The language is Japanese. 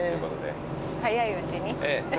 ええ早いうちに。